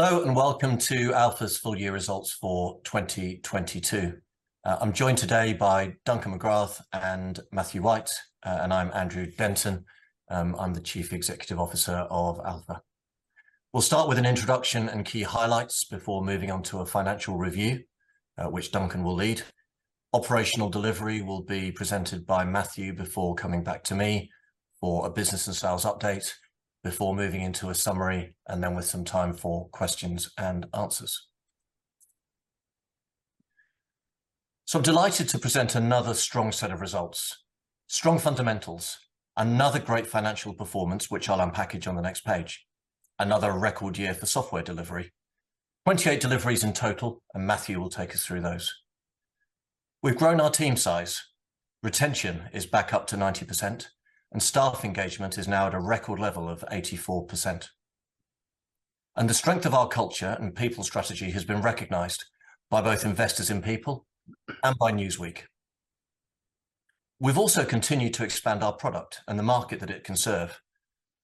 Hello and welcome to Alfa's full year results for 2022. I'm joined today by Duncan Magrath and Matthew White. I'm Andrew Denton. I'm the Chief Executive Officer of Alfa. We'll start with an introduction and key highlights before moving on to a financial review, which Duncan will lead. Operational delivery will be presented by Matthew before coming back to me for a business and sales update before moving into a summary with some time for questions and answers. Delighted to present another strong set of results. Strong fundamentals. Another great financial performance, which I'll unpackage on the next page. Another record year for software delivery. Twenty eight deliveries in total, Matthew will take us through those. We've grown our team size. Retention is back up to 90%, staff engagement is now at a record level of 84%. The strength of our culture and people strategy has been recognized by both Investors in People and by Newsweek. We've also continued to expand our product and the market that it can serve.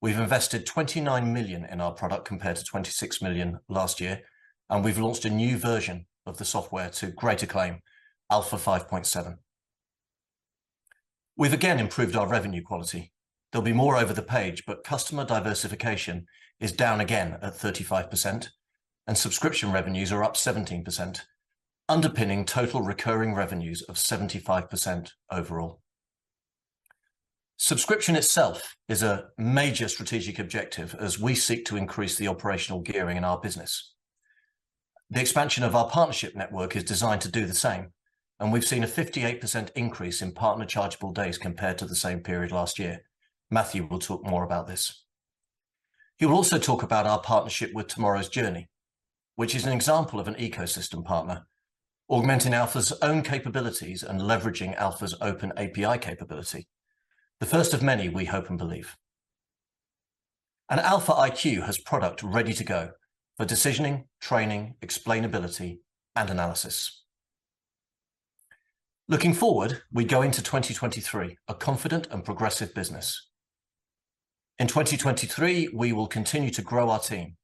We've invested 29 million in our product compared to 26 million last year, and we've launched a new version of the software to great acclaim, Alfa Systems 5.7. We've again improved our revenue quality. There'll be more over the page, but customer diversification is down again at 35%, and subscription revenues are up 17%, underpinning total recurring revenues of 75% overall. Subscription itself is a major strategic objective as we seek to increase the operational gearing in our business. The expansion of our partnership network is designed to do the same, and we've seen a 58% increase in partner chargeable days compared to the same period last year. Matthew will talk more about this. He will also talk about our partnership with Tomorrow's Journey, which is an example of an ecosystem partner augmenting Alfa's own capabilities and leveraging Alfa's open API capability. The first of many, we hope and believe. Alfa iQ has product ready to go for decisioning, training, explainability, and analysis. Looking forward, we go into 2023 a confident and progressive business. In 2023, we will continue to grow our team,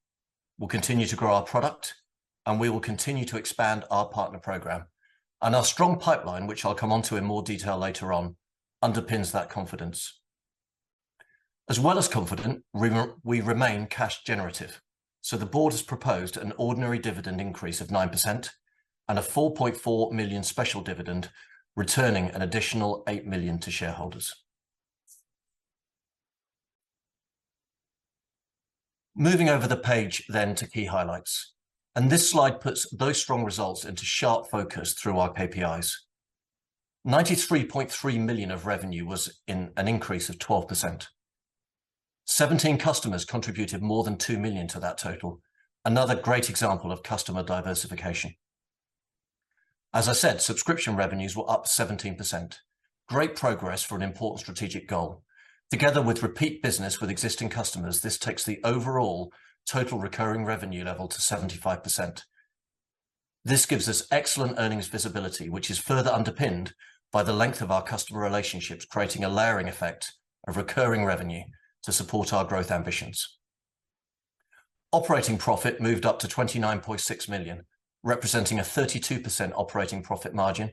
we'll continue to grow our product, and we will continue to expand our partner program. Our strong pipeline, which I'll come onto in more detail later on, underpins that confidence. As well as confident, we remain cash generative. The board has proposed an ordinary dividend increase of 9% and a 4.4 million special dividend, returning an additional 8 million to shareholders. Moving over the page to key highlights. This slide puts those strong results into sharp focus through our KPIs. 93.3 million of revenue was an increase of 12%. Seventeen customers contributed more than 2 million to that total. Another great example of customer diversification. As I said, subscription revenues were up 17%. Great progress for an important strategic goal. Together with repeat business with existing customers, this takes the overall total recurring revenue level to 75%. This gives us excellent earnings visibility, which is further underpinned by the length of our customer relationships, creating a layering effect of recurring revenue to support our growth ambitions. Operating profit moved up to 29.6 million, representing a 32% operating profit margin,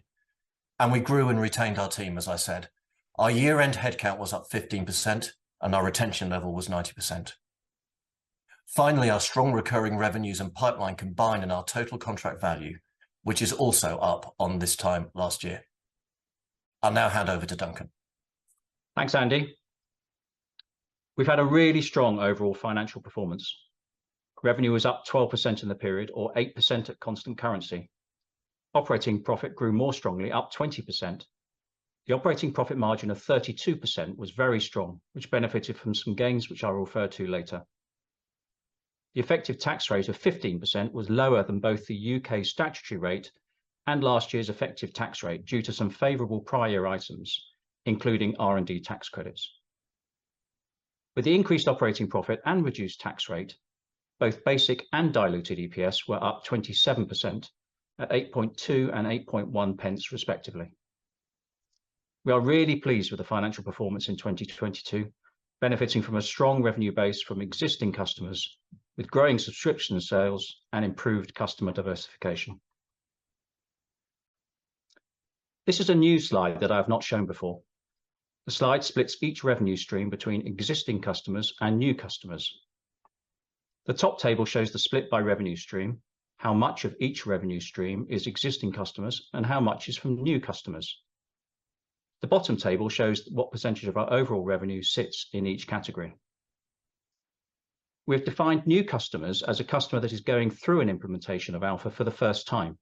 and we grew and retained our team, as I said. Our year-end headcount was up 15%, and our retention level was 90%. Finally, our strong recurring revenues and pipeline combine in our total contract value, which is also up on this time last year. I'll now hand over to Duncan. Thanks, Andy. We've had a really strong overall financial performance. Revenue was up 12% in the period or 8% at constant currency. Operating profit grew more strongly, up 20%. The operating profit margin of 32% was very strong, which benefited from some gains which I'll refer to later. The effective tax rate of 15% was lower than both the U.K. statutory rate and last year's effective tax rate due to some favorable prior items, including R&D tax credits. With the increased operating profit and reduced tax rate, both basic and diluted EPS were up 27% at 8.2 and 8.1 pence respectively. We are really pleased with the financial performance in 2022, benefiting from a strong revenue base from existing customers with growing subscription sales and improved customer diversification. This is a new slide that I've not shown before. The slide splits each revenue stream between existing customers and new customers. The top table shows the split by revenue stream, how much of each revenue stream is existing customers and how much is from new customers. The bottom table shows what percentage of our overall revenue sits in each category. We have defined new customers as a customer that is going through an implementation of Alfa for the first time.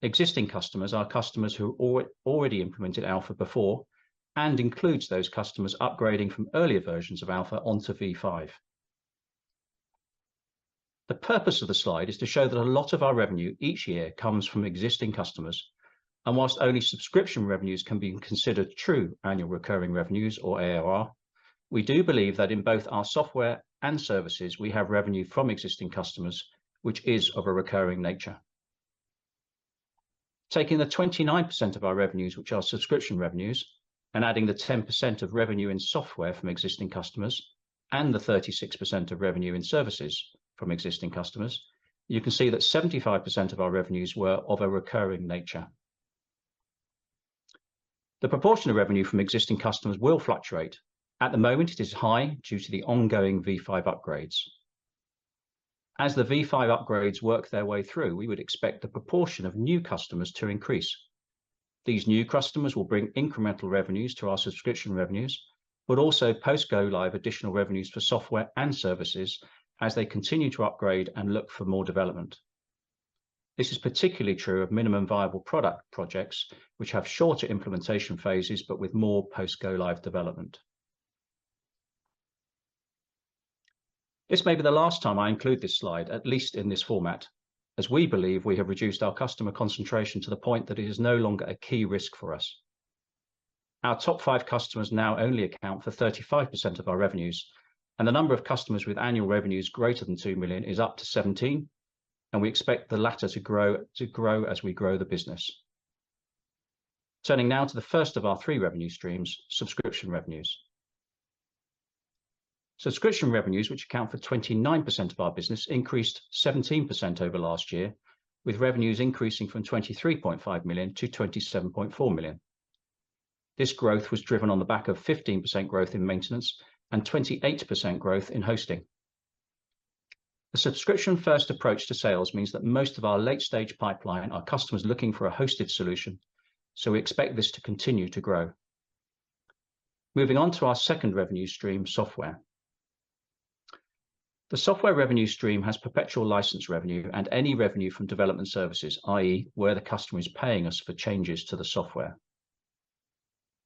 Existing customers are customers who already implemented Alfa before and includes those customers upgrading from earlier versions of Alfa onto V5. The purpose of the slide is to show that a lot of our revenue each year comes from existing customers, and whilst only subscription revenues can be considered true annual recurring revenues or ARR, we do believe that in both our software and services, we have revenue from existing customers which is of a recurring nature. Taking the 29% of our revenues which are subscription revenues and adding the 10% of revenue in software from existing customers and the 36% of revenue in services from existing customers, you can see that 75% of our revenues were of a recurring nature. The proportion of revenue from existing customers will fluctuate. At the moment, it is high due to the ongoing V5 upgrades. As the V5 upgrades work their way through, we would expect the proportion of new customers to increase. These new customers will bring incremental revenues to our subscription revenues, but also post go-live additional revenues for software and services as they continue to upgrade and look for more development. This is particularly true of minimum viable product projects which have shorter implementation phases but with more post go-live development. This may be the last time I include this slide, at least in this format, as we believe we have reduced our customer concentration to the point that it is no longer a key risk for us. Our top five customers now only account for 35% of our revenues, and the number of customers with annual revenues greater than 2 million is up to 17, and we expect the latter to grow as we grow the business. Turning now to the first of our three revenue streams, subscription revenues. Subscription revenues, which account for 29% of our business, increased 17% over last year, with revenues increasing from 23.5 million to 27.4 million. This growth was driven on the back of 15% growth in maintenance and 28% growth in hosting. A subscription-first approach to sales means that most of our late-stage pipeline are customers looking for a hosted solution, so we expect this to continue to grow. Moving on to our second revenue stream, software. The software revenue stream has perpetual license revenue and any revenue from development services, i.e. where the customer is paying us for changes to the software.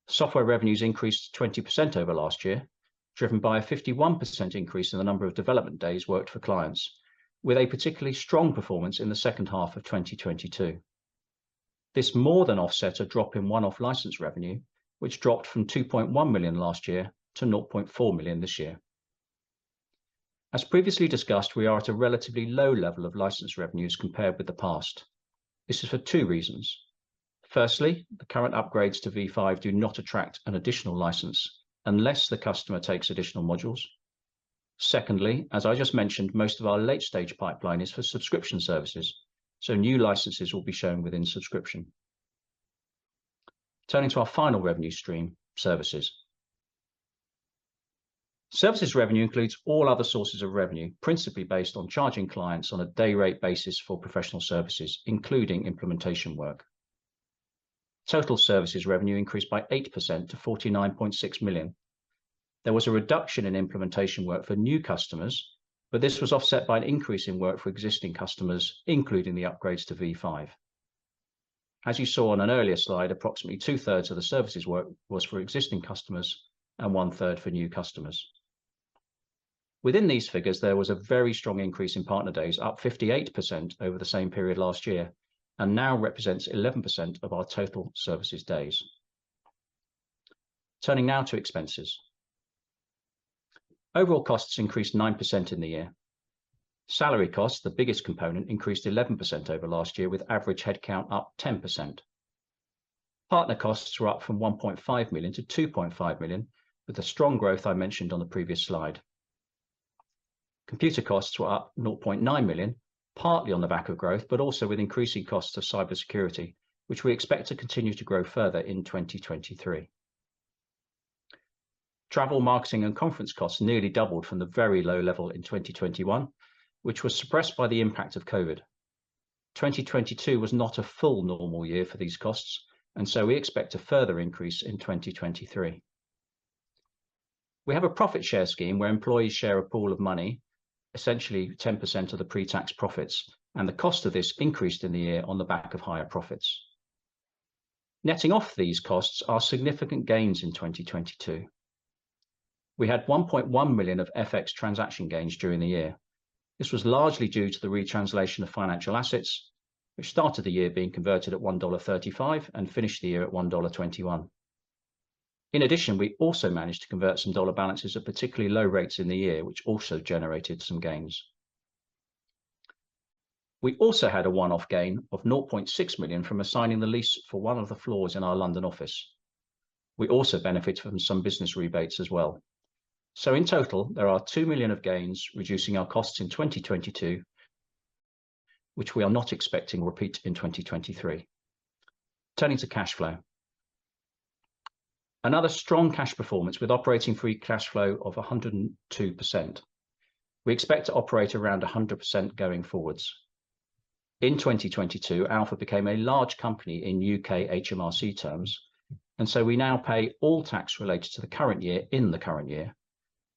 Software revenues increased 20% over last year, driven by a 51% increase in the number of development days worked for clients, with a particularly strong performance in the second half of 2022. This more than offset a drop in one-off license revenue, which dropped from 2.1 million last year to 0.4 million this year. As previously discussed, we are at a relatively low level of license revenues compared with the past. This is for two reasons. Firstly, the current upgrades to V5 do not attract an additional license unless the customer takes additional modules. Secondly, as I just mentioned, most of our late-stage pipeline is for subscription services, so new licenses will be shown within subscription. Turning to our final revenue stream, services. Services revenue includes all other sources of revenue, principally based on charging clients on a day-rate basis for professional services, including implementation work. Total services revenue increased by 8% to 49.6 million. There was a reduction in implementation work for new customers, but this was offset by an increase in work for existing customers, including the upgrades to V5. As you saw on an earlier slide, approximately two-thirds of the services work was for existing customers and one-third for new customers. Within these figures, there was a very strong increase in partner days, up 58% over the same period last year, and now represents 11% of our total services days. Turning now to expenses. Overall costs increased 9% in the year. Salary costs, the biggest component, increased 11% over last year, with average headcount up 10%. Partner costs were up from 1.5 million to 2.5 million, with the strong growth I mentioned on the previous slide. Computer costs were up 0.9 million, partly on the back of growth, but also with increasing costs of cybersecurity, which we expect to continue to grow further in 2023. Travel, marketing, and conference costs nearly doubled from the very low level in 2021, which was suppressed by the impact of COVID. Twenty twenty two was not a full normal year for these costs. We expect a further increase in 2023. We have a profit share scheme where employees share a pool of money, essentially 10% of the pre-tax profits. The cost of this increased in the year on the back of higher profits. Netting off these costs are significant gains in 2022. We had 1.1 million of FX transaction gains during the year. This was largely due to the retranslation of financial assets, which started the year being converted at $1.35 and finished the year at $1.21. In addition, we also managed to convert some dollar balances at particularly low rates in the year, which also generated some gains. We also had a one-off gain of 0.6 million from assigning the lease for one of the floors in our London office. We also benefited from some business rebates as well. In total, there are 2 million of gains reducing our costs in 2022, which we are not expecting repeats in 2023. Turning to cash flow. Another strong cash performance with operating free cash flow of 102%. We expect to operate around 100% going forwards. In 2022, Alfa became a large company in U.K. HMRC terms, we now pay all tax related to the current year in the current year,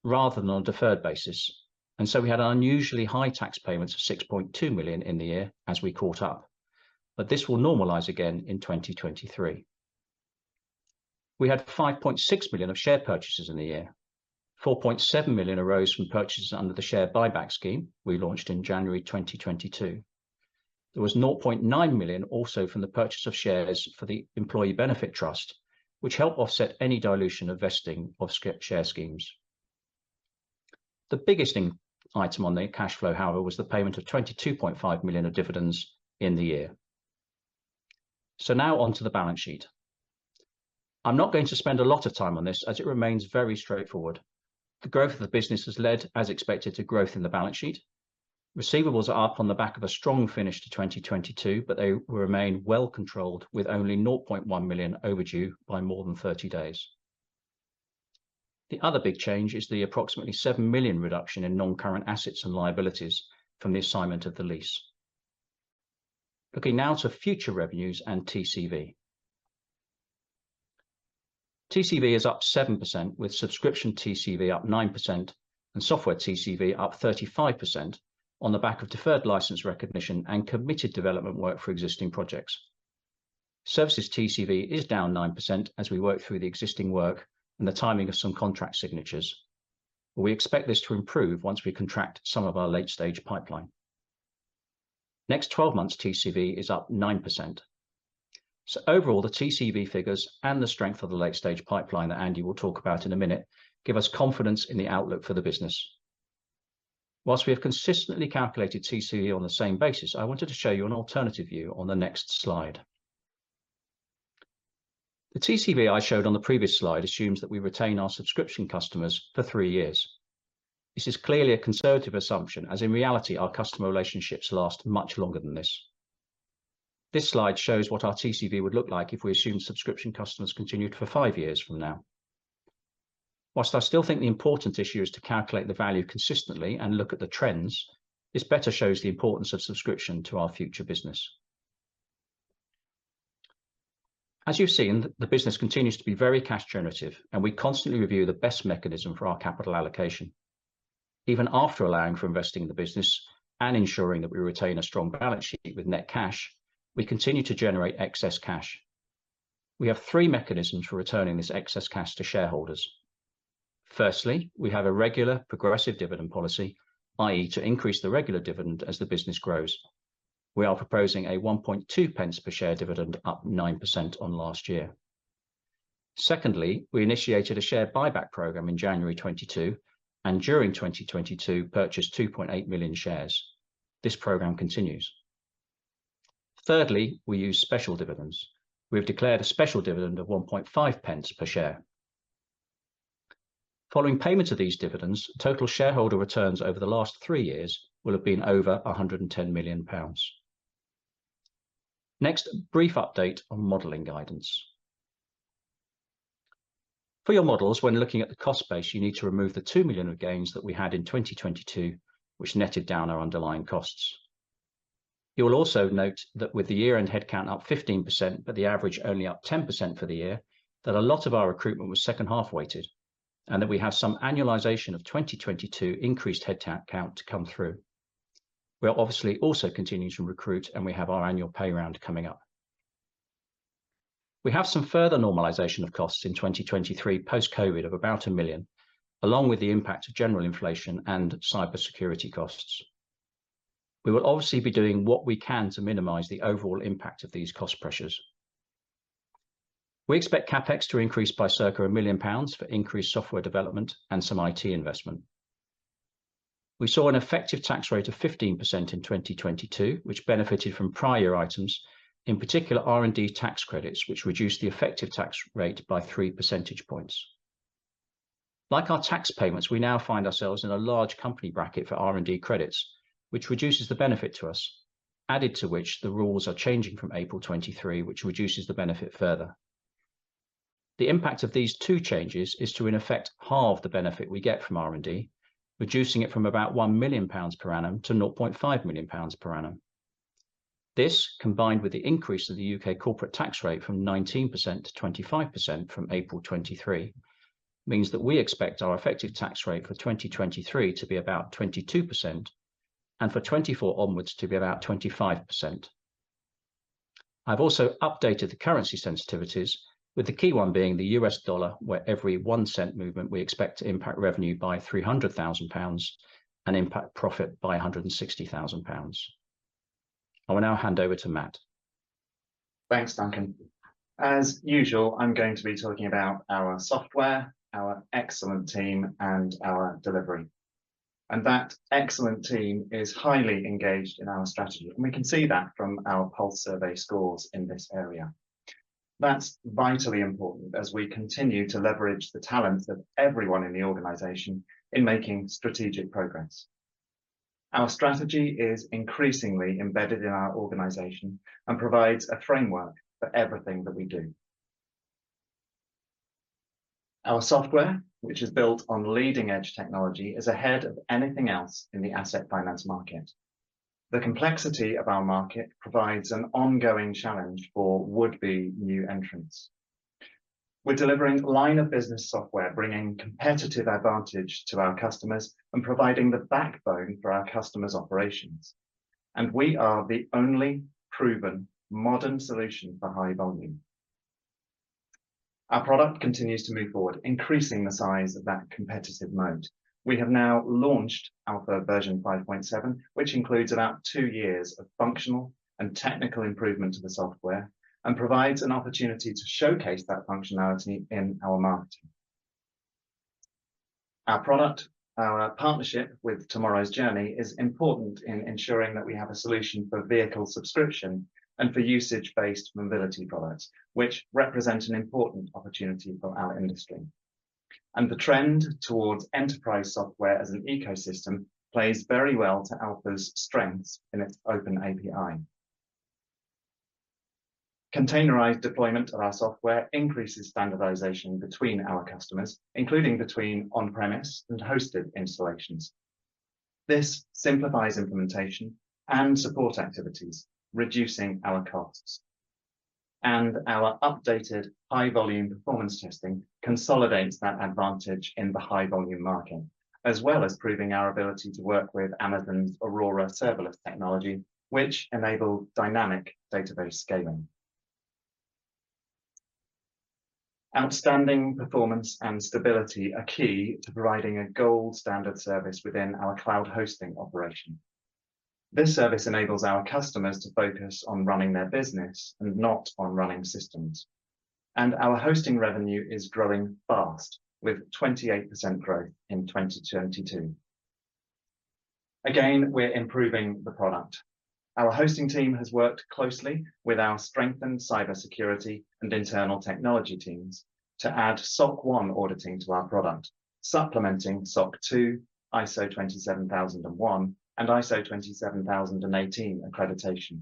rather than on a deferred basis. We had unusually high tax payments of 6.2 million in the year as we caught up. This will normalize again in 2023. We had 5.6 million of share purchases in the year. 4.7 million arose from purchases under the share buyback scheme we launched in January 2022. There was 0.9 million also from the purchase of shares for the Employee Benefit Trust, which helped offset any dilution of vesting of share schemes. The biggest in-item on the cash flow, however, was the payment of 22.5 million of dividends in the year. Now onto the balance sheet. I'm not going to spend a lot of time on this, as it remains very straightforward. The growth of the business has led, as expected, to growth in the balance sheet. Receivables are up on the back of a strong finish to 2022, but they will remain well-controlled, with only 0.1 million overdue by more than 30 days. The other big change is the approximately 7 million reduction in non-current assets and liabilities from the assignment of the lease. Now to future revenues and TCV. TCV is up 7%, with subscription TCV up 9% and software TCV up 35% on the back of deferred license recognition and committed development work for existing projects. Services TCV is down 9% as we work through the existing work and the timing of some contract signatures. We expect this to improve once we contract some of our late-stage pipeline. Next 12 months TCV is up 9%. Overall, the TCV figures and the strength of the late-stage pipeline that Andy will talk about in a minute give us confidence in the outlook for the business. Whilst we have consistently calculated TCV on the same basis, I wanted to show you an alternative view on the next slide. The TCV I showed on the previous slide assumes that we retain our subscription customers for 3 years. This is clearly a conservative assumption, as in reality, our customer relationships last much longer than this. This slide shows what our TCV would look like if we assumed subscription customers continued for five years from now. While I still think the important issue is to calculate the value consistently and look at the trends, this better shows the importance of subscription to our future business. You've seen, the business continues to be very cash generative, and we constantly review the best mechanism for our capital allocation. Even after allowing for investing in the business and ensuring that we retain a strong balance sheet with net cash, we continue to generate excess cash. We have three mechanisms for returning this excess cash to shareholders. Firstly, we have a regular progressive dividend policy, i.e., to increase the regular dividend as the business grows. We are proposing a 1.2 pence per share dividend, up 9% on last year. Secondly, we initiated a share buyback program in January 2022, and during 2022, purchased 2.8 million shares. This program continues. Thirdly, we use special dividends. We have declared a special dividend of 1.5 pence per share. Following payment of these dividends, total shareholder returns over the last 3 years will have been over 110 million pounds. Next, a brief update on modeling guidance. For your models, when looking at the cost base, you need to remove the 2 million of gains that we had in 2022, which netted down our underlying costs. You will also note that with the year-end head count up 15%, but the average only up 10% for the year, that a lot of our recruitment was second half-weighted, and that we have some annualization of 2022 increased head count to come through. We are obviously also continuing to recruit, and we have our annual pay round coming up. We have some further normalization of costs in 2023 post-COVID of about 1 million, along with the impact of general inflation and cybersecurity costs. We will obviously be doing what we can to minimize the overall impact of these cost pressures. We expect CapEx to increase by circa 1 million pounds for increased software development and some IT investment. We saw an effective tax rate of 15% in 2022, which benefited from prior items, in particular R&D tax credits, which reduced the effective tax rate by 3 percentage points. Like our tax payments, we now find ourselves in a large company bracket for R&D credits, which reduces The benefit to us, added to which the rules are changing from April 2023, which reduces the benefit further. The impact of these two changes is to in effect halve the benefit we get from R&D, reducing it from about 1 million pounds per annum to 0.5 million pounds per annum. This, combined with the increase of the U.K. corporate tax rate from 19% to 25% from April 2023, means that we expect our effective tax rate for 2023 to be about 22% and for 2024 onwards to be about 25%. I've also updated the currency sensitivities, with the key one being the U.S. dollar, where every 1 cent movement we expect to impact revenue by 300,000 pounds and impact profit by 160,000 pounds. I will now hand over to Matt. Thanks, Duncan. As usual, I'm going to be talking about our software, our excellent team, and our delivery. That excellent team is highly engaged in our strategy, and we can see that from our pulse survey scores in this area. That's vitally important as we continue to leverage the talents of everyone in the organization in making strategic progress. Our strategy is increasingly embedded in our organization and provides a framework for everything that we do. Our software, which is built on leading-edge technology, is ahead of anything else in the asset finance market. The complexity of our market provides an ongoing challenge for would-be new entrants. We're delivering line-of-business software, bringing competitive advantage to our customers and providing the backbone for our customers' operations. We are the only proven modern solution for high volume. Our product continues to move forward, increasing the size of that competitive moat. We have now launched Alfa Systems 5.7, which includes about 2 years of functional and technical improvement to the software and provides an opportunity to showcase that functionality in our marketing. Our product, our partnership with Tomorrow's Journey is important in ensuring that we have a solution for vehicle subscription and for usage-based mobility products, which represent an important opportunity for our industry. The trend towards enterprise software as an ecosystem plays very well to Alfa's strengths in its open API. Containerized deployment of our software increases standardization between our customers, including between on-premise and hosted installations. This simplifies implementation and support activities, reducing our costs. Our updated high-volume performance testing consolidates that advantage in the high-volume market, as well as proving our ability to work with Amazon's Aurora Serverless technology, which enable dynamic database scaling. Outstanding performance and stability are key to providing a gold standard service within our cloud hosting operation. This service enables our customers to focus on running their business and not on running systems. Our hosting revenue is growing fast, with 28% growth in 2022. Again, we're improving the product. Our hosting team has worked closely with our strengthened cybersecurity and internal technology teams to add SOC 1 auditing to our product, supplementing SOC 2, ISO 27001, and ISO 27018 accreditation.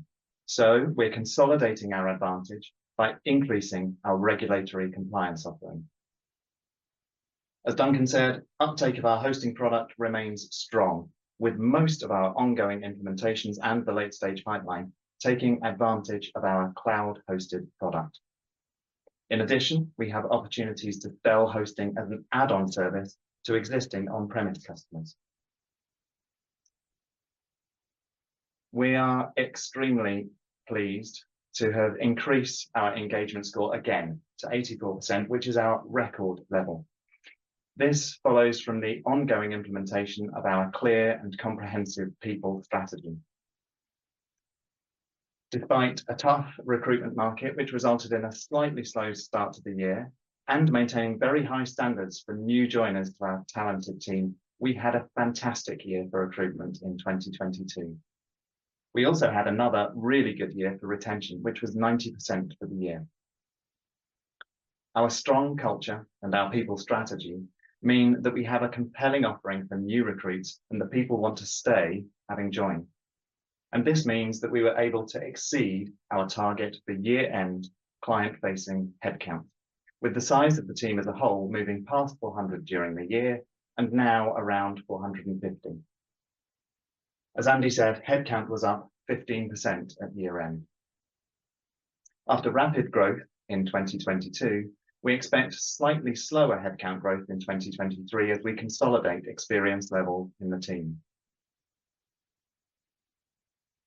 We're consolidating our advantage by increasing our regulatory compliance offering. As Duncan said, uptake of our hosting product remains strong, with most of our ongoing implementations and the late-stage pipeline taking advantage of our cloud-hosted product. In addition, we have opportunities to sell hosting as an add-on service to existing on-premise customers. We are extremely pleased to have increased our engagement score again to 84%, which is our record level. This follows from the ongoing implementation of our clear and comprehensive people strategy. Despite a tough recruitment market, which resulted in a slightly slow start to the year, and maintaining very high standards for new joiners to our talented team, we had a fantastic year for recruitment in 2022. We also had another really good year for retention, which was 90% for the year. Our strong culture and our people strategy mean that we have a compelling offering for new recruits and that people want to stay having joined. This means that we were able to exceed our target for year-end client-facing headcount, with the size of the team as a whole moving past 400 during the year and now around 450. As Andy said, headcount was up 15% at year-end. After rapid growth in 2022, we expect slightly slower headcount growth in 2023 as we consolidate experience level in the team.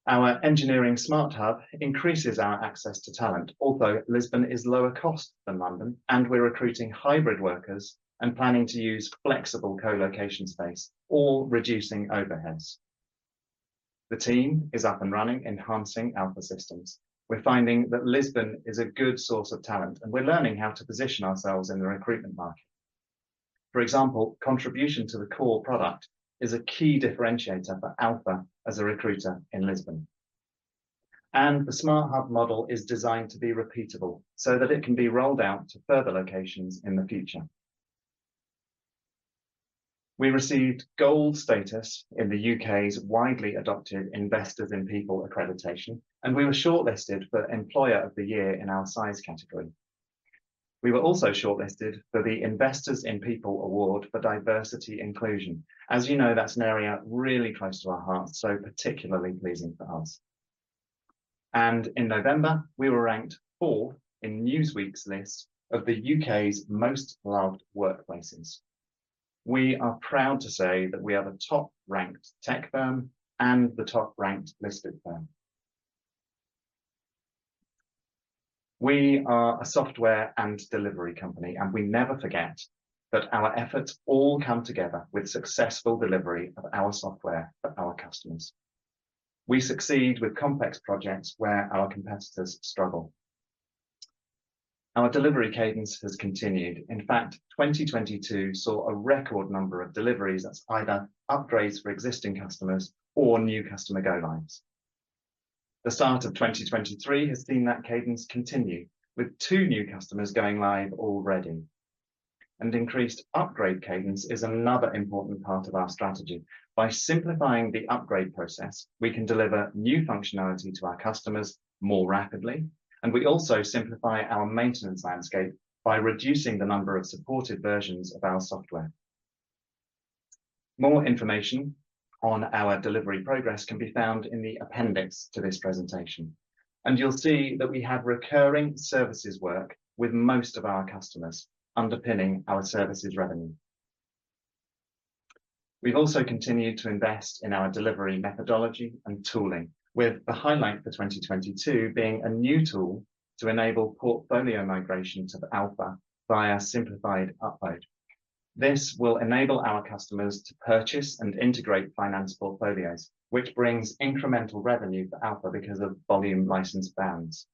Our Engineering Smart Hub increases our access to talent, although Lisbon is lower cost than London, and we're recruiting hybrid workers and planning to use flexible co-location space, all reducing overheads. The team is up and running, enhancing Alfa Systems. We're finding that Lisbon is a good source of talent, and we're learning how to position ourselves in the recruitment market. For example, contribution to the core product is a key differentiator for Alfa as a recruiter in Lisbon. The smart hub model is designed to be repeatable so that it can be rolled out to further locations in the future. We received gold status in the U.K.'s widely adopted Investors in People accreditation. We were shortlisted for Employer of the Year in our size category. We were also shortlisted for the Investors in People award for diversity inclusion. As you know, that's an area really close to our hearts, so particularly pleasing for us. In November, we were ranked 4th in Newsweek's list of the U.K.'s most loved workplaces. We are proud to say that we are the top-ranked tech firm and the top-ranked listed firm. We are a software and delivery company, and we never forget that our efforts all come together with successful delivery of our software for our customers. We succeed with complex projects where our competitors struggle. Our delivery cadence has continued. In fact, 2022 saw a record number of deliveries as either upgrades for existing customers or new customer go-lives. The start of 2023 has seen that cadence continue, with two new customers going live already. Increased upgrade cadence is another important part of our strategy. By simplifying the upgrade process, we can deliver new functionality to our customers more rapidly, and we also simplify our maintenance landscape by reducing the number of supported versions of our software. More information on our delivery progress can be found in the appendix to this presentation, and you'll see that we have recurring services work with most of our customers underpinning our services revenue. We've also continued to invest in our delivery methodology and tooling, with the highlight for 2022 being a new tool to enable portfolio migration to Alfa via simplified upload. This will enable our customers to purchase and integrate finance portfolios, which brings incremental revenue for Alfa because of volume license bounds.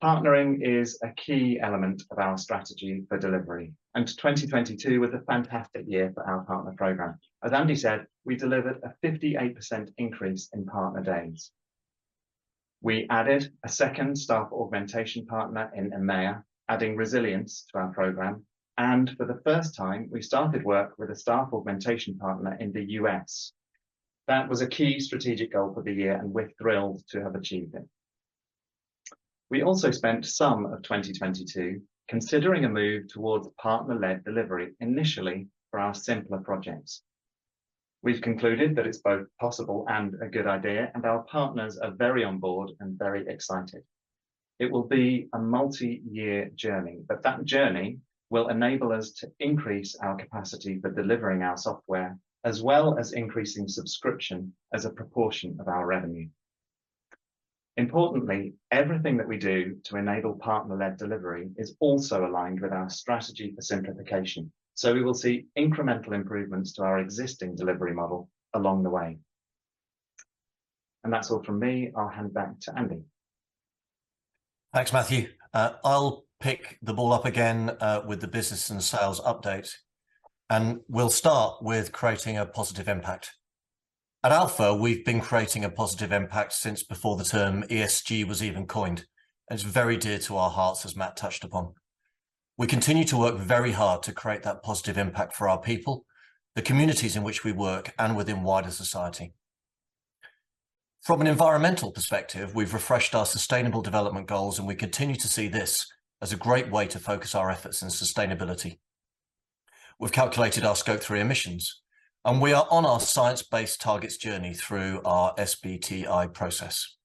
Partnering is a key element of our strategy for delivery, 2022 was a fantastic year for our partner program. As Andy said, we delivered a 58% increase in partner days. We added a second staff augmentation partner in EMEA, adding resilience to our program, and for the first time, we started work with a staff augmentation partner in the U.S. That was a key strategic goal for the year, and we're thrilled to have achieved it. We also spent some of 2022 considering a move towards partner-led delivery, initially for our simpler projects. We've concluded that it's both possible and a good idea, and our partners are very on board and very excited. It will be a multi-year journey, but that journey will enable us to increase our capacity for delivering our software, as well as increasing subscription as a proportion of our revenue. Importantly, everything that we do to enable partner-led delivery is also aligned with our strategy for simplification, so we will see incremental improvements to our existing delivery model along the way. That's all from me. I'll hand back to Andy. Thanks, Matthew. I'll pick the ball up again with the business and sales update, and we'll start with creating a positive impact. At Alfa, we've been creating a positive impact since before the term ESG was even coined, and it's very dear to our hearts, as Matt touched upon. We continue to work very hard to create that positive impact for our people, the communities in which we work, and within wider society. From an environmental perspective, we've refreshed our Sustainable Development Goals, and we continue to see this as a great way to focus our efforts in sustainability. We've calculated our Scope 3 emissions, and we are on our science-based targets journey through our SBTi process.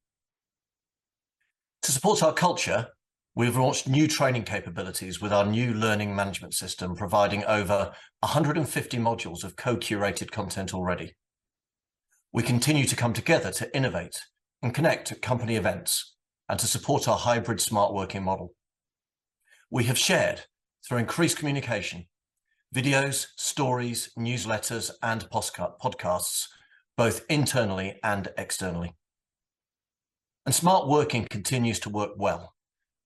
To support our culture, we've launched new training capabilities with our new learning management system, providing over 150 modules of co-curated content already. We continue to come together to innovate and connect at company events and to support our hybrid smart working model. We have shared, through increased communication, videos, stories, newsletters, and podcasts, both internally and externally. Smart working continues to work well,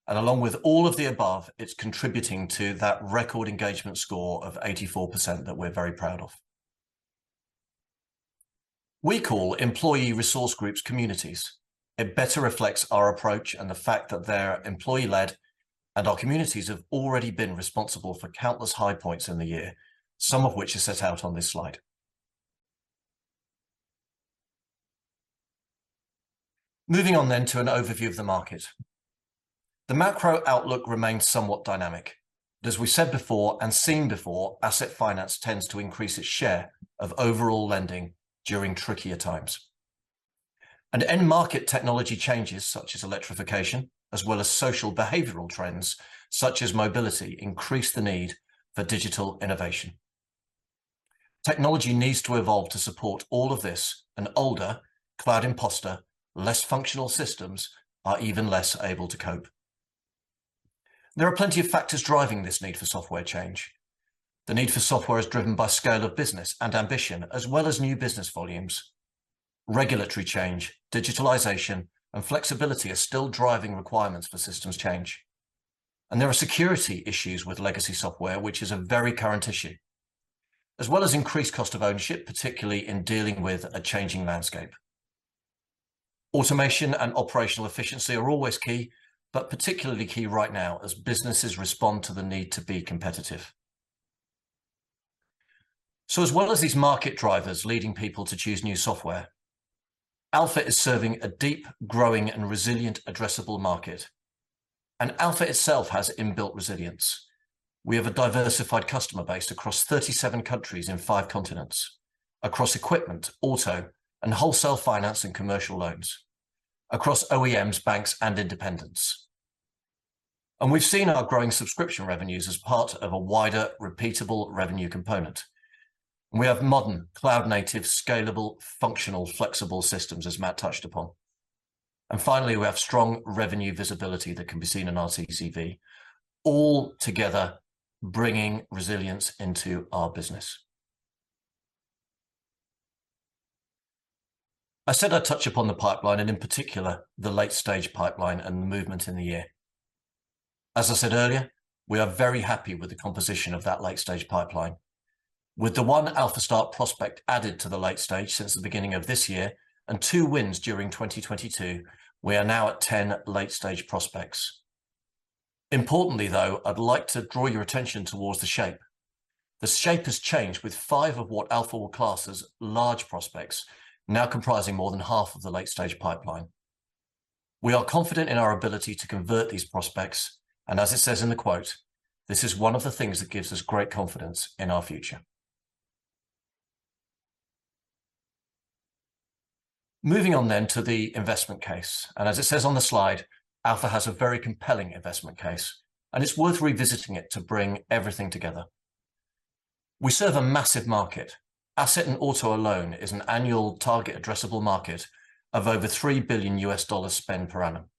and along with all of the above, it's contributing to that record engagement score of 84% that we're very proud of. We call employee resource groups communities. It better reflects our approach and the fact that they're employee-led, and our communities have already been responsible for countless high points in the year, some of which are set out on this slide. Moving on to an overview of the market. The macro outlook remains somewhat dynamic. As we said before and seen before, asset finance tends to increase its share of overall lending during trickier times. End market technology changes, such as electrification, as well as social behavioral trends, such as mobility, increase the need for digital innovation. Technology needs to evolve to support all of this, and older, cloud impostor, less functional systems are even less able to cope. There are plenty of factors driving this need for software change. The need for software is driven by scale of business and ambition, as well as new business volumes. Regulatory change, digitalization, and flexibility are still driving requirements for systems change. There are security issues with legacy software, which is a very current issue, as well as increased cost of ownership, particularly in dealing with a changing landscape. Automation and operational efficiency are always key, but particularly key right now as businesses respond to the need to be competitive. As well as these market drivers leading people to choose new software, Alfa is serving a deep, growing, and resilient addressable market. Alfa itself has inbuilt resilience. We have a diversified customer base across 37 countries in five continents, across equipment, auto, and wholesale finance and commercial loans, across OEMs, banks, and independents. We've seen our growing subscription revenues as part of a wider repeatable revenue component. We have modern, cloud native, scalable, functional, flexible systems, as Matt touched upon. Finally, we have strong revenue visibility that can be seen in our TCV, all together bringing resilience into our business. I said I'd touch upon the pipeline, and in particular, the late stage pipeline and the movement in the year. I said earlier, we are very happy with the composition of that late stage pipeline. With the 1 Alfa Start prospect added to the late stage since the beginning of this year and two wins during 2022, we are now at 10 late stage prospects. Importantly, though, I'd like to draw your attention towards the shape. The shape has changed with five of what Alfa will class as large prospects now comprising more than half of the late stage pipeline. We are confident in our ability to convert these prospects, and as it says in the quote, "This is one of the things that gives us great confidence in our future." Moving on to the investment case. As it says on the slide, Alfa has a very compelling investment case, and it's worth revisiting it to bring everything together. We serve a massive market. Asset and auto alone is an annual target addressable market of over $3 billion spend per annum.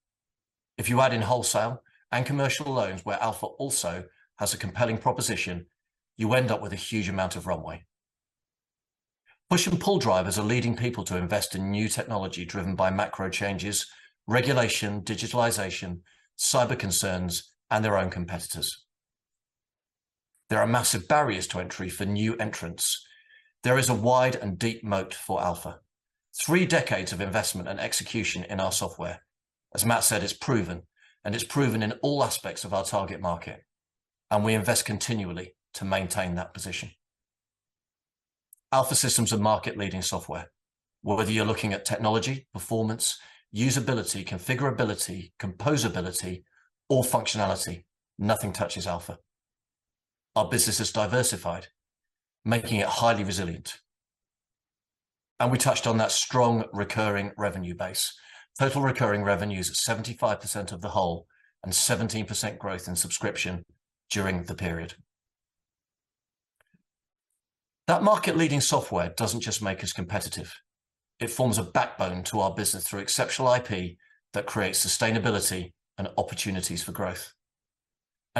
If you add in wholesale and commercial loans where Alfa also has a compelling proposition, you end up with a huge amount of runway. Push and pull drivers are leading people to invest in new technology driven by macro changes, regulation, digitalization, cyber concerns, and their own competitors. There are massive barriers to entry for new entrants. There is a wide and deep moat for Alfa. Three decades of investment and execution in our software. As Matt said, it's proven, and it's proven in all aspects of our target market, and we invest continually to maintain that position. Alfa Systems are market-leading software, whether you're looking at technology, performance, usability, configurability, composability or functionality, nothing touches Alfa. Our business is diversified, making it highly resilient. We touched on that strong recurring revenue base. Total recurring revenues at 75% of the whole, and 17% growth in subscription during the period. That market-leading software doesn't just make us competitive, it forms a backbone to our business through exceptional IP that creates sustainability and opportunities for growth.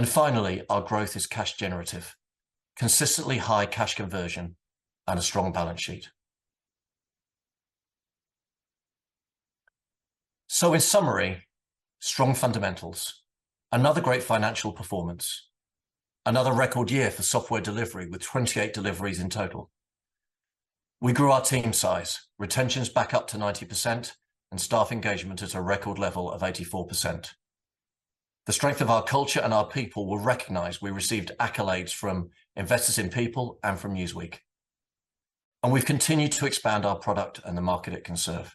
Finally, our growth is cash generative. Consistently high cash conversion and a strong balance sheet. In summary, strong fundamentals. Another great financial performance. Another record year for software delivery with 28 deliveries in total. We grew our team size. Retention's back up to 90%, and staff engagement is a record level of 84%. The strength of our culture and our people were recognized. We received accolades from Investors in People and from Newsweek, and we've continued to expand our product and the market it can serve.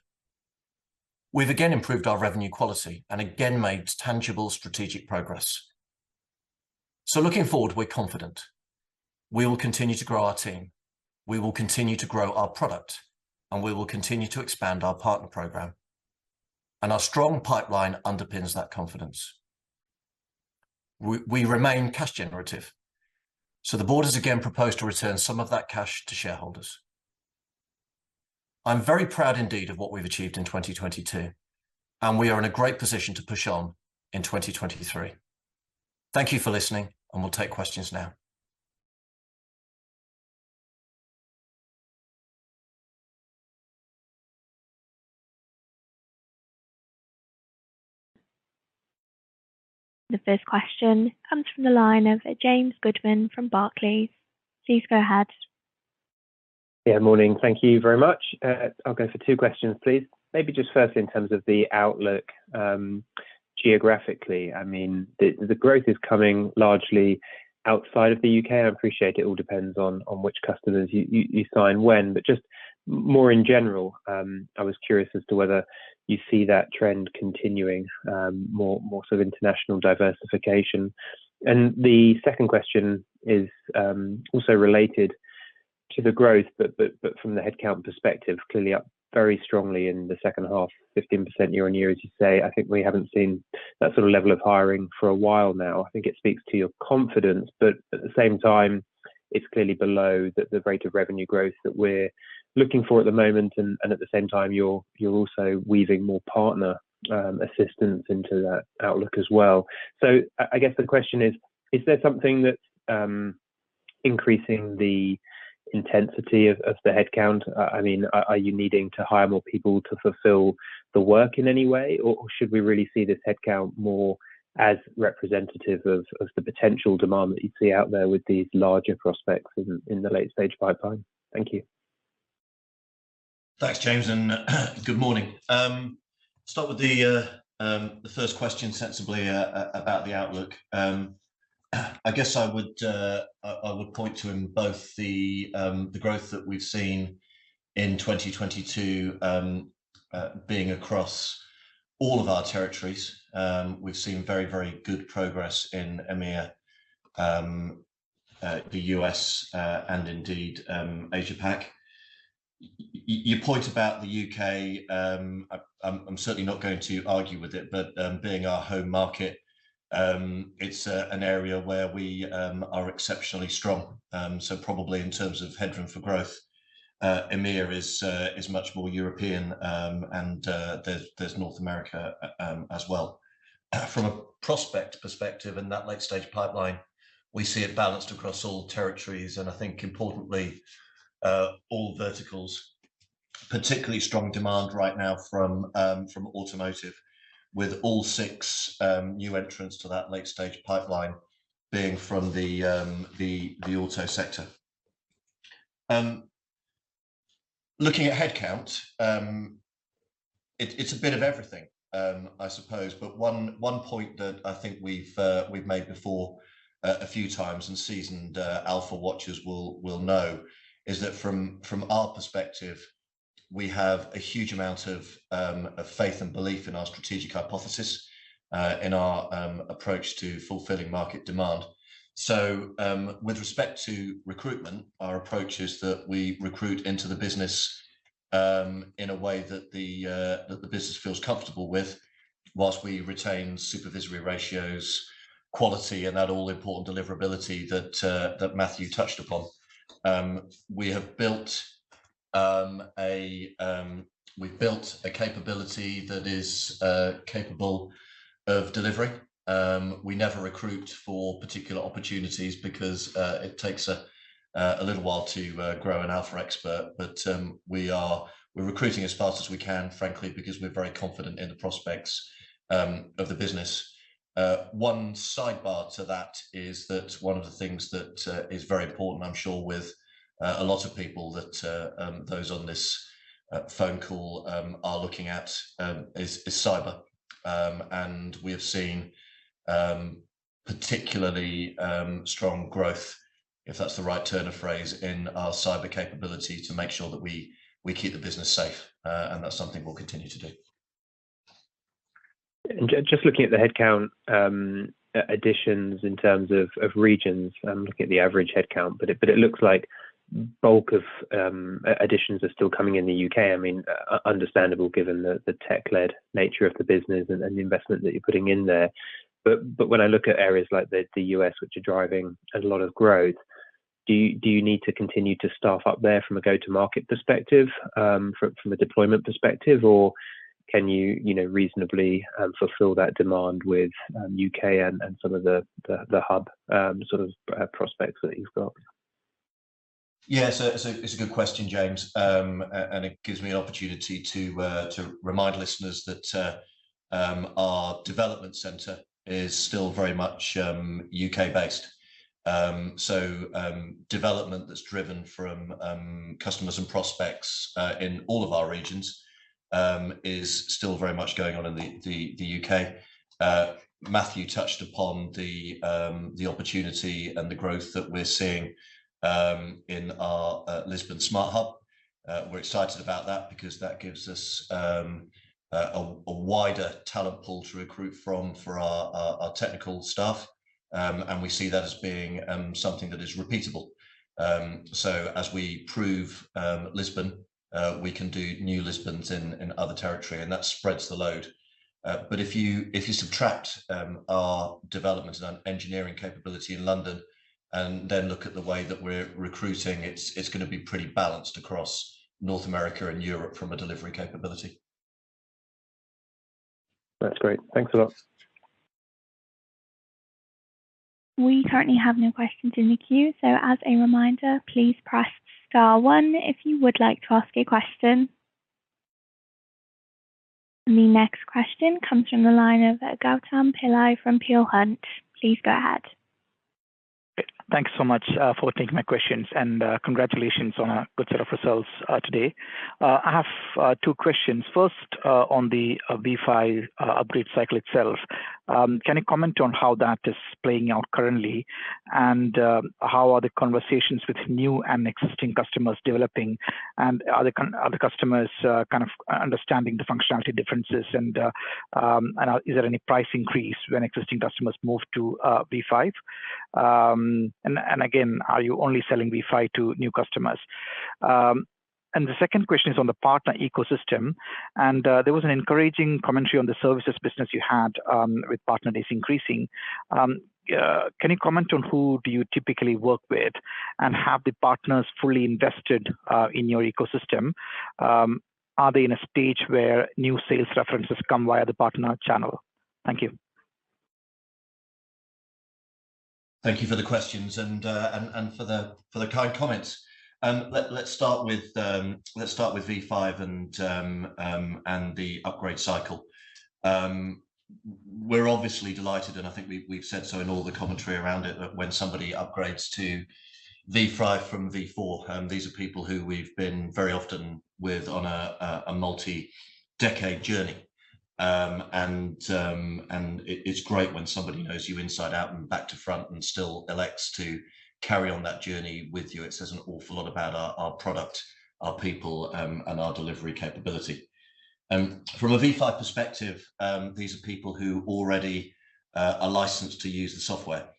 We've again improved our revenue quality and again made tangible strategic progress. Looking forward, we're confident we will continue to grow our team, we will continue to grow our product, and we will continue to expand our partner program, and our strong pipeline underpins that confidence. We remain cash generative, the board has again proposed to return some of that cash to shareholders. I'm very proud indeed of what we've achieved in 2022, we are in a great position to push on in 2023. Thank you for listening, we'll take questions now. The first question comes from the line of James Goodman from Barclays. Please go ahead. Morning. Thank you very much. I'll go for two questions, please. Maybe just firstly in terms of the outlook, geographically. I mean, the growth is coming largely outside of the U.K., and I appreciate it all depends on which customers you, you sign when. But just more in general, I was curious as to whether you see that trend continuing, more, more sort of international diversification. The second question is, also related to the growth but from the headcount perspective, clearly up very strongly in the second half, 15% year-on-year, as you say. I think we haven't seen that sort of level of hiring for a while now. I think it speaks to your confidence. But at the same time, it's clearly below the rate of revenue growth that we're looking for at the moment. At the same time, you're also weaving more partner assistance into that outlook as well. I guess the question is there something that's increasing the intensity of the headcount? I mean, are you needing to hire more people to fulfill the work in any way? Should we really see this headcount more as representative of the potential demand that you see out there with these larger prospects in the late-stage pipeline? Thank you. Thanks, James, good morning. Start with the first question sensibly about the outlook. I guess I would point to in both the growth that we've seen in 2022 being across all of our territories. We've seen very, very good progress in EMEA, the U.S., and indeed, Asia Pac. Your point about the U.K., I'm certainly not going to argue with it, being our home market, it's an area where we are exceptionally strong. Probably in terms of headroom for growth, EMEA is much more European, and there's North America as well. From a prospect perspective in that late-stage pipeline, we see it balanced across all territories and I think importantly, all verticals. Particularly strong demand right now from automotive with all six new entrants to that late-stage pipeline being from the auto sector. Looking at headcount, it's a bit of everything, I suppose. One point that I think we've made before a few times, and seasoned Alfa watchers will know is that from our perspective, we have a huge amount of faith and belief in our strategic hypothesis, in our approach to fulfilling market demand. With respect to recruitment, our approach is that we recruit into the business in a way that the business feels comfortable with whilst we retain supervisory ratios, quality, and that all-important deliverability that Matthew touched upon. We have built, we've built a capability that is capable of delivering. We never recruit for particular opportunities because it takes a little while to grow an Alfa expert. We're recruiting as fast as we can, frankly, because we're very confident in the prospects of the business. One sidebar to that is that one of the things that is very important, I'm sure with a lot of people that those on this phone call are looking at is cyber. We have seen particularly strong growth, if that's the right turn of phrase, in our cyber capability to make sure that we keep the business safe. That's something we'll continue to do. Just looking at the headcount, additions in terms of regions. I'm looking at the average headcount, but it looks like bulk of additions are still coming in the U.K. I mean, understandable given the tech-led nature of the business and the investment that you're putting in there. When I look at areas like the U.S., which are driving a lot of growth, do you need to continue to staff up there from a go-to-market perspective, from a deployment perspective? Or can you know, reasonably fulfill that demand with U.K. and some of the hub sort of prospects that you've got? It's a good question, James. And it gives me an opportunity to remind listeners that our development center is still very much U.K. based. So development that's driven from customers and prospects in all of our regions is still very much going on in the U.K. Matthew touched upon the opportunity and the growth that we're seeing in our Lisbon Smart Hub. We're excited about that because that gives us a wider talent pool to recruit from for our technical staff. And we see that as being something that is repeatable. So as we prove Lisbon, we can do new Lisbons in other territory, and that spreads the load. If you subtract, our development and engineering capability in London and then look at the way that we're recruiting, it's gonna be pretty balanced across North America and Europe from a delivery capability. That's great. Thanks a lot. We currently have no questions in the queue. As a reminder, please press star one if you would like to ask a question. The next question comes from the line of Gautam Pillai from Peel Hunt. Please go ahead. Thanks so much, for taking my questions, and congratulations on a good set of results, today. I have two questions. First, on the V5 upgrade cycle itself. Can you comment on how that is playing out currently? How are the conversations with new and existing customers developing? Are the customers, kind of understanding the functionality differences and is there any price increase when existing customers move to V5? Again, are you only selling V5 to new customers? The second question is on the partner ecosystem, and there was an encouraging commentary on the services business you had, with partner days increasing. Can you comment on who do you typically work with? Have the partners fully invested in your ecosystem? Are they in a stage where new sales references come via the partner channel? Thank you. Thank you for the questions and for the kind comments. Let's start with V5 and the upgrade cycle. We're obviously delighted, and I think we've said so in all the commentary around it, that when somebody upgrades to V5 from V4, these are people who we've been very often with on a multi-decade journey. It's great when somebody knows you inside out and back to front and still elects to carry on that journey with you. It says an awful lot about our product, our people, and our delivery capability. From a V5 perspective, these are people who already are licensed to use the software.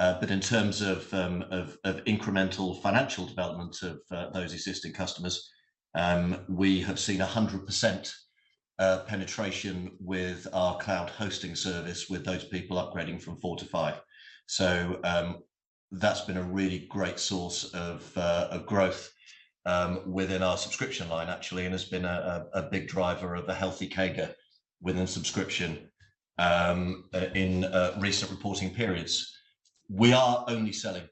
In terms of incremental financial development of those existing customers, we have seen 100% penetration with our cloud hosting service with those people upgrading from 4 to 5. That's been a really great source of growth within our subscription line actually, and has been a big driver of the healthy CAGR within subscription in recent reporting periods. We are only selling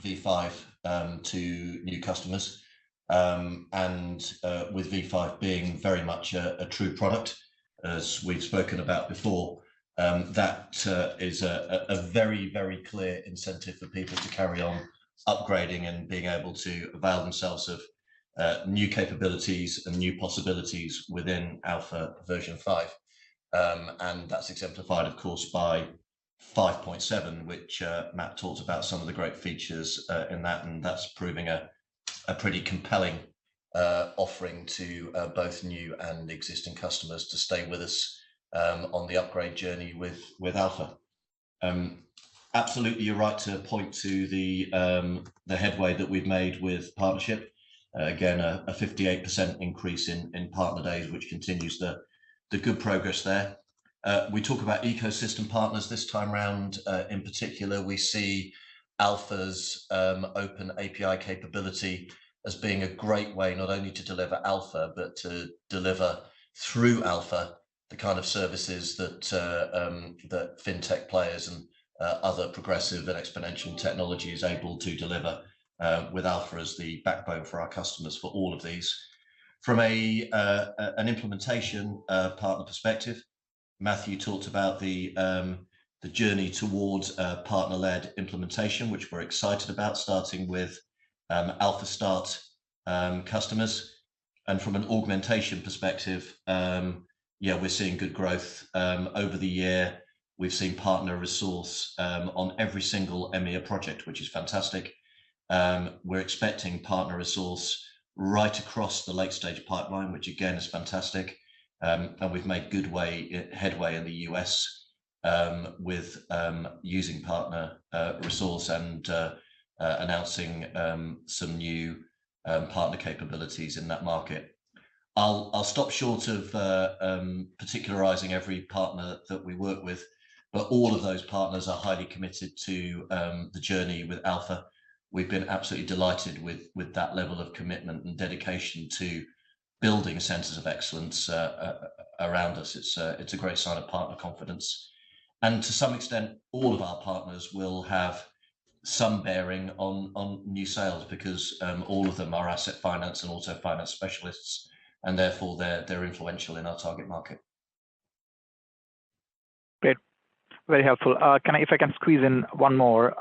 V5 to new customers. With V5 being very much a true product, as we've spoken about before, that is a very, very clear incentive for people to carry on upgrading and being able to avail themselves of new capabilities and new possibilities within Alfa version 5. That's exemplified, of course, by 5.7, which, Matt talked about some of the great features, in that, and that's proving a pretty compelling offering to both new and existing customers to stay with us, on the upgrade journey with Alfa. Absolutely you're right to point to the headway that we've made with partnership. Again, a 58% increase in partner days, which continues the good progress there. We talk about ecosystem partners this time round. In particular, we see Alfa's open API capability as being a great way not only to deliver Alfa but to deliver through Alfa the kind of services that Fintech players and other progressive and exponential technology is able to deliver with Alfa as the backbone for our customers for all of these. From an implementation partner perspective, Matthew talked about the journey towards a partner-led implementation, which we're excited about starting with Alfa Start customers. From an augmentation perspective, yeah, we're seeing good growth. Over the year, we've seen partner resource on every single EMEA project, which is fantastic. We're expecting partner resource right across the late-stage pipeline, which again is fantastic. We've made good way, headway in the U.S., with using partner resource and announcing some new partner capabilities in that market. I'll stop short of particularizing every partner that we work with, but all of those partners are highly committed to the journey with Alfa. We've been absolutely delighted with that level of commitment and dedication to building a centers of excellence around us. It's a great sign of partner confidence. To some extent, all of our partners will have some bearing on new sales because all of them are asset finance and also finance specialists, and therefore they're influential in our target market. Great. Very helpful. If I can squeeze in one more,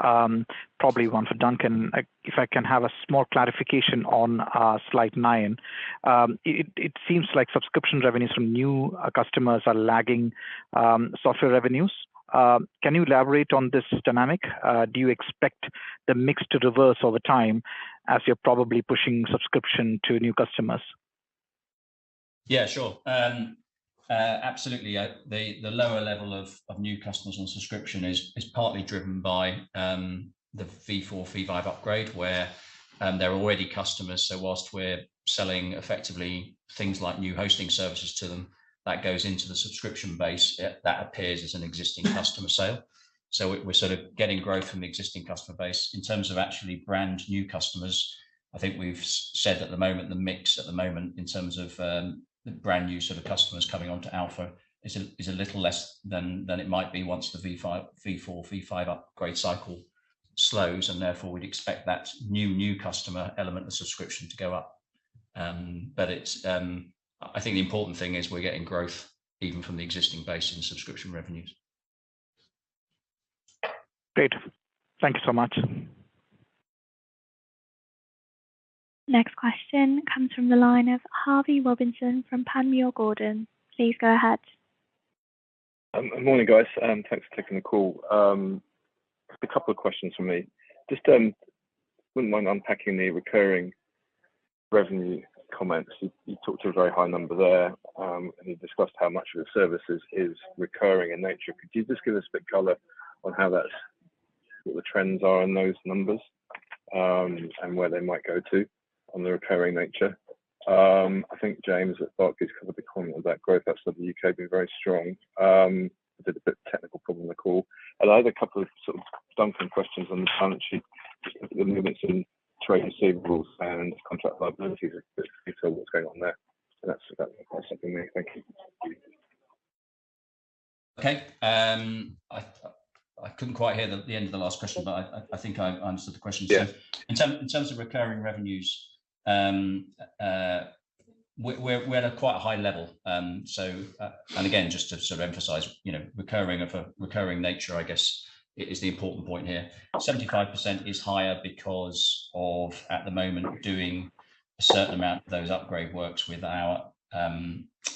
probably one for Duncan. If I can have a small clarification on slide nine. It seems like subscription revenues from new customers are lagging software revenues. Can you elaborate on this dynamic? Do you expect the mix to reverse over time as you're probably pushing subscription to new customers? Yeah, sure. absolutely. The, the lower level of new customers on subscription is partly driven by the V4, V5 upgrade, where they're already customers. Whilst we're selling effectively things like new hosting services to them, that goes into the subscription base. That appears as an existing customer sale. We're sort of getting growth from the existing customer base. In terms of actually brand new customers, I think we've said at the moment, the mix at the moment in terms of the brand new sort of customers coming onto Alfa is a little less than it might be once the V5, V4, V5 upgrade cycle slows, and therefore we'd expect that new customer element of subscription to go up. I think the important thing is we're getting growth even from the existing base in subscription revenues. Great. Thank you so much. Next question comes from the line of Harvey Robinson from Panmure Gordon. Please go ahead. Morning, guys. Thanks for taking the call. Just two questions from me. Just wouldn't mind unpacking the recurring revenue comments. You, you talked to a very high number there, and you discussed how much of the services is recurring in nature. Could you just give us a bit color on how that's what the trends are on those numbers, and where they might go to on the recurring nature? I think James at Barclays kind of commented that growth outside the U.K. been very strong. I did a bit technical problem on the call. I have two sort of Duncan questions on the balance sheet, just the limits in trade receivables and contract liabilities, if you could just tell me what's going on there. That's, that's it for me. Thank you. Okay. I couldn't quite hear the end of the last question, I think I answered the question. Yeah. In terms of recurring revenues, we had a quite high level. And again, just to sort of emphasize, you know, recurring nature I guess is the important point here. 75% is higher because of, at the moment, doing a certain amount of those upgrade works with our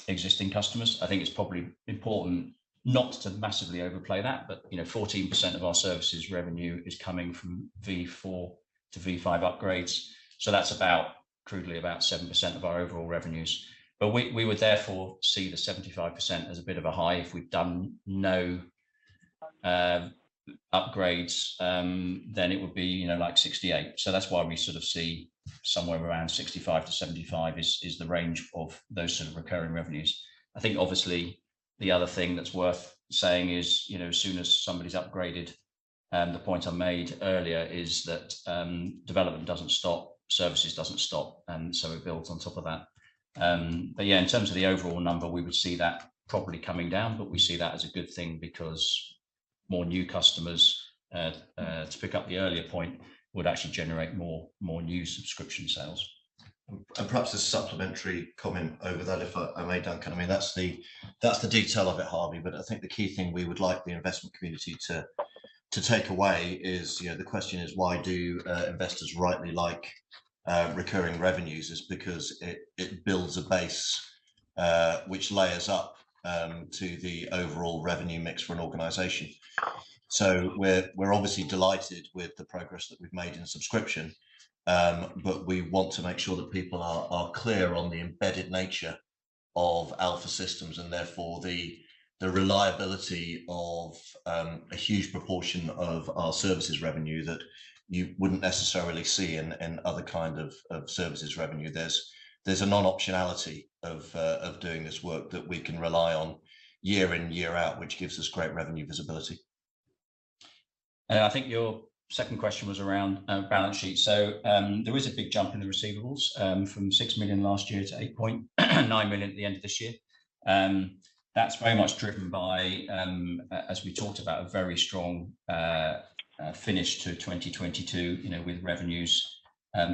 existing customers. I think it's probably important not to massively overplay that. You know, 14% of our services revenue is coming from V4 to V5 upgrades. That's about, crudely about 7% of our overall revenues. We would therefore see the 75% as a bit of a high. If we'd done no upgrades, then it would be, you know, like 68%. That's why we sort of see somewhere around 65-75 is the range of those sort of recurring revenues. I think obviously the other thing that's worth saying is, you know, as soon as somebody's upgraded, the point I made earlier is that development doesn't stop, services doesn't stop, and so it builds on top of that. Yeah, in terms of the overall number, we would see that probably coming down. We see that as a good thing because more new customers, to pick up the earlier point, would actually generate more new subscription sales. Perhaps a supplementary comment over that, if I may, Duncan. I mean, that's the detail of it, Harvey, but I think the key thing we would like the investment community to take away is, you know, the question is why do investors rightly like recurring revenues is because it builds a base which layers up to the overall revenue mix for an organization. We're obviously delighted with the progress that we've made in subscription. We want to make sure that people are clear on the embedded nature of Alfa Systems and therefore the reliability of a huge proportion of our services revenue that you wouldn't necessarily see in other kind of services revenue. There's a non-optionality of doing this work that we can rely on year in, year out, which gives us great revenue visibility. I think your second question was around balance sheet. There is a big jump in the receivables from 6 million last year to 8.9 million at the end of this year. That's very much driven by, as we talked about, a very strong finish to 2022, you know, with revenues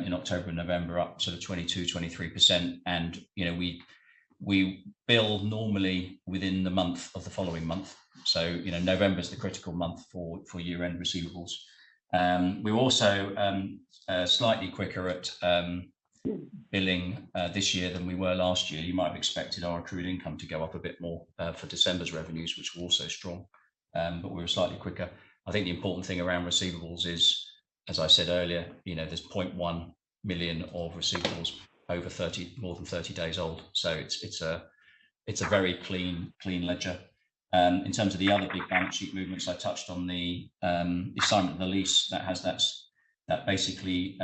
in October and November up sort of 22%-23%. You know, we bill normally within the month of the following month. You know, November's the critical month for year-end receivables. We're also slightly quicker at billing this year than we were last year. You might have expected our accrued income to go up a bit more for December's revenues, which were also strong. We were slightly quicker. I think the important thing around receivables is, as I said earlier, there's 0.1 million of receivables over 30, more than 30 days old, so it's a very clean ledger. In terms of the other big balance sheet movements, I touched on the assignment of the lease that has that basically,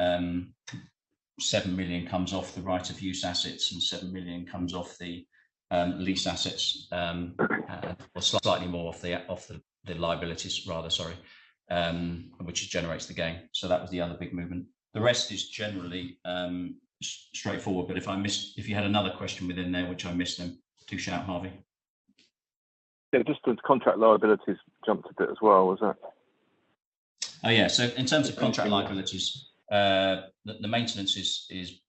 7 million comes off the right of use assets and 7 million comes off the lease assets, or slightly more off the liabilities rather, sorry, which generates the gain. That was the other big movement. The rest is generally straightforward, if I missed. If you had another question within there which I missed, then do shout, Harvey. Yeah, just the contract liabilities jumped a bit as well. Was that? Oh, yeah. In terms of contract liabilities? Yeah. The maintenance is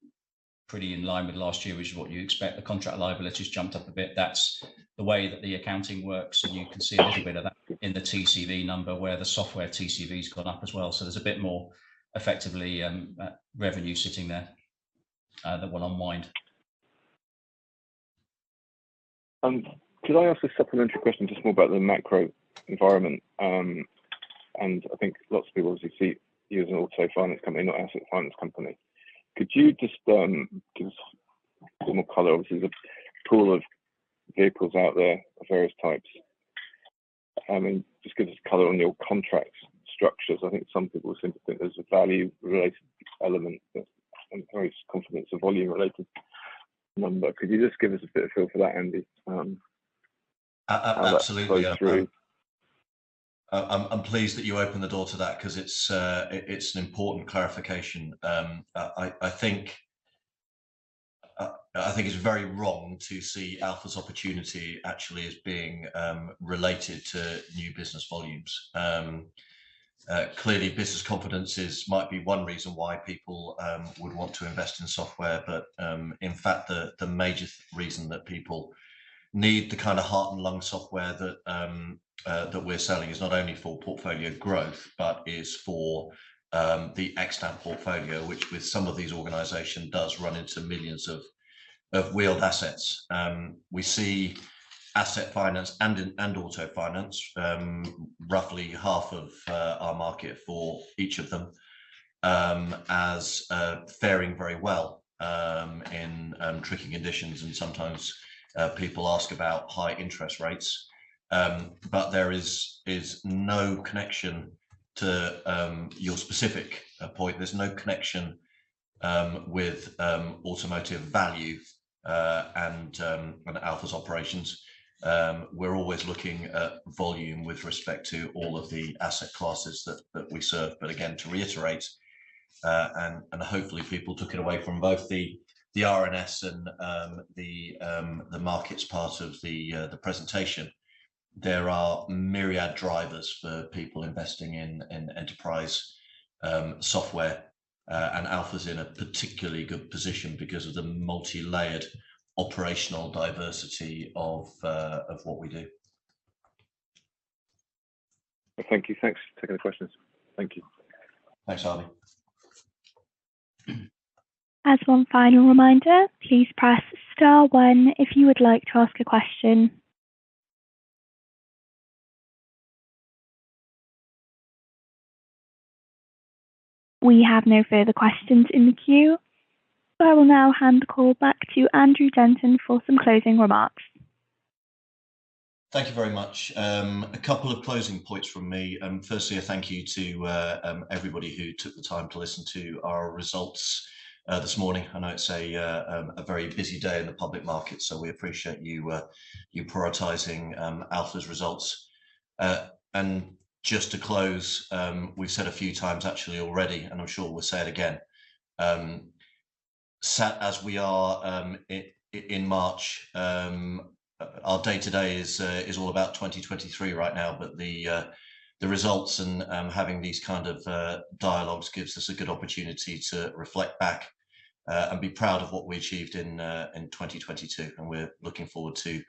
pretty in line with last year, which is what you expect. The contract liabilities jumped up a bit. That's the way that the accounting works, and you can see a little bit of that in the TCV number where the software TCV has gone up as well. There's a bit more effectively, revenue sitting there that will unwind. Could I ask a supplementary question just more about the macro environment? I think lots of people obviously see you as an auto finance company, not asset finance company. Could you just give more color, obviously, the pool of vehicles out there of various types. I mean, just give us color on your contracts structures. I think some people seem to think there's a value related element that I'm very confident it's a volume related number. Could you just give us a bit of feel for that, Andy? A-a-absolutely. That's probably through. I'm pleased that you opened the door to that because it's an important clarification. I think, I think it's very wrong to see Alfa's opportunity actually as being related to new business volumes. Clearly business confidences might be one reason why people would want to invest in software. In fact, the major reason that people need the kind of heart and lung software that we're selling is not only for portfolio growth but is for the extant portfolio, which with some of these organizations does run into millions of wheeled assets. We see asset finance and auto finance, roughly half of our market for each of them, as fairing very well in tricky conditions and sometimes people ask about high interest rates. There is no connection to your specific point. There's no connection with automotive value and Alfa's operations. We're always looking at volume with respect to all of the asset classes that we serve. Again, to reiterate, and hopefully people took it away from both the RNS and the markets part of the presentation, there are myriad drivers for people investing in enterprise software. Alfa's in a particularly good position because of the multi-layered operational diversity of what we do. Okay. Thank you. Thanks for taking the questions. Thank you. Thanks, Harvey. As one final reminder, please press star one if you would like to ask a question. We have no further questions in the queue. I will now hand the call back to Andrew Denton for some closing remarks. Thank you very much. A couple of closing points from me. Firstly, a thank you to everybody who took the time to listen to our results this morning. I know it's a very busy day in the public market, so we appreciate you prioritizing Alfa's results. Just to close, we've said a few times actually already, and I'm sure we'll say it again, sat as we are in March, our day-to-day is all about 2023 right now. The results and having these kind of dialogues gives us a good opportunity to reflect back and be proud of what we achieved in 2022, and we're looking forward to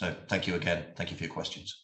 more of the same going forward. Thank you again. Thank you for your questions.